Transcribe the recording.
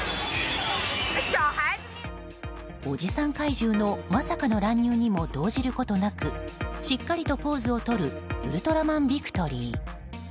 おじさん怪獣のまさかの乱入にも動じることなくしっかりとポーズをとるウルトラマンビクトリー。